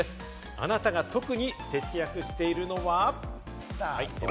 あなたが特に節約しているのは？